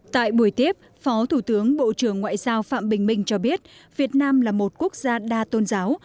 tại buổi tiếp phó thủ tướng bộ trưởng ngoại giao phạm bình minh cho biết việt nam là một quốc gia đa tôn giáo